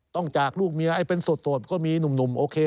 จากลูกเมียให้เป็นสดก็มีหนุ่มโอเค